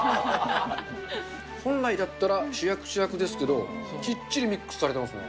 本来だったら、主役・主役ですけど、きっちりミックスされてますね。